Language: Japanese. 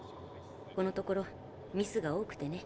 このところミスが多くてね。